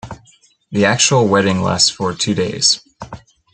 The actual wedding lasts for two days.